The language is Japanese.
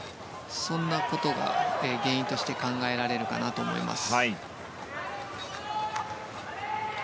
そんなことが原因として考えられるかなと思います。